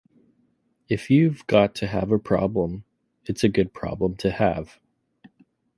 If you've got to have a problem, it's a good problem to have.